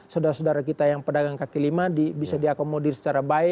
saudara saudara kita yang pedagang kaki lima bisa diakomodir secara baik